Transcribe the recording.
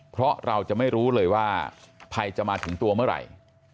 เพราะเราจะไม่รู้เลยว่าภัยจะมาถึงตัวเมื่อไหร่